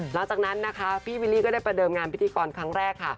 หลังจากนั้นนะคะพี่วิลลี่ก็ได้ประเดิมงานพิธีกรครั้งแรกค่ะ